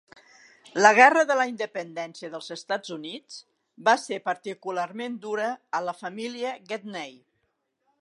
La Guerra de la Independència dels Estats Units va ser particularment dura a la família Gedney.